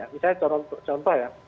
misalnya contoh ya